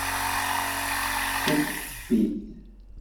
Teskuṭṭef-it.